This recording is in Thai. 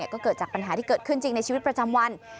ก็เกิดจากปัญหาที่เกิดขึ้นจริงในชีวิตประจำวัน